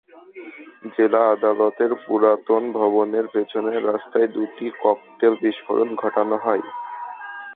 জেলা আদালতের পুরাতন ভবনের পেছনের রাস্তায় দুটি ককটেল বিস্ফোরণ ঘটানো হয়।